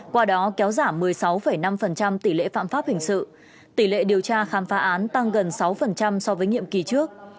qua đó kéo giảm một mươi sáu năm tỷ lệ phạm pháp hình sự tỷ lệ điều tra khám phá án tăng gần sáu so với nhiệm kỳ trước